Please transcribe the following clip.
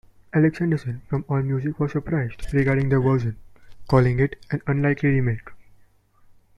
Alex Henderson from AllMusic was surprised regarding their version, calling it an "unlikely remake".